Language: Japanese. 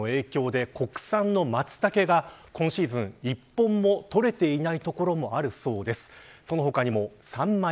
あの秋の味覚にも猛暑などの影響で国産のマツタケが今シーズン１本も取れていない所もあるそうです。